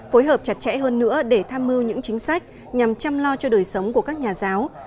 phối hợp chặt chẽ hơn nữa để tham mưu những chính sách nhằm chăm lo cho đời sống của các nhà giáo